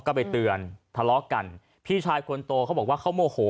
ก็ไปเตือนทะเลาะกันพี่ชายคนโตเขาบอกว่าเขาโมโห